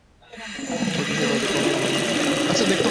হয়তো সে তাদের খাওয়ায়, আমিও মার্শমেলোর জন্য যেকোন কিছু করতে পারি।